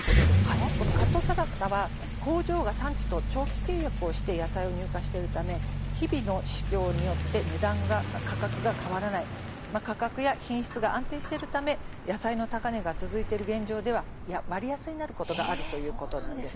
カットサラダは工場が産地と長期契約をしているため、日々の市況で価格が変わらない価格が安定しているため野菜の高値が続いている状況では割安になることがあるということです。